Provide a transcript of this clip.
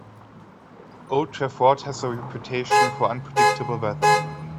Old Trafford has a reputation for unpredictable weather.